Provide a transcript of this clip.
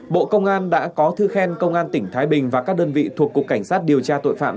bộ công an đã có thư khen công an tỉnh thái bình và các đơn vị thuộc cục cảnh sát điều tra tội phạm